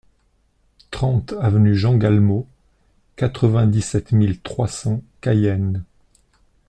trente avenue Jean Galmot, quatre-vingt-dix-sept mille trois cents Cayenne